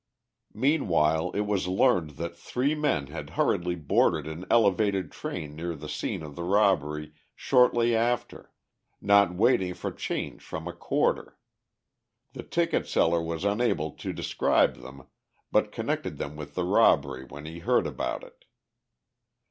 Meanwhile, it was learned that three men had hurriedly boarded an elevated train near the scene of the robbery shortly after, not waiting for change from a quarter. The ticket seller was unable to describe them, but connected them with the robbery when he heard about it.